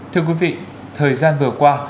thưa quý vị thời gian vừa qua